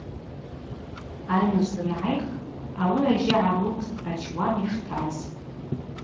Айныжв дангӏайх ауи ажьы гӏалылттӏ ачуан йштаз.